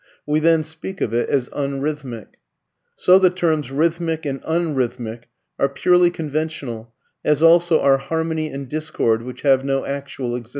We then speak of it as unrhythmic. So the terms rhythmic and unrhythmic are purely conventional, as also are harmony and discord, which have no actual existence.